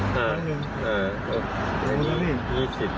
แล้ว